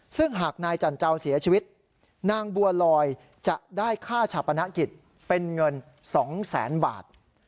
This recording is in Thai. ซึ่งหากนายจันเจ้าเสียชีวิตนางบัวลอยจะได้ค่าชาปนกิจเป็นเงิน๒แสนบาท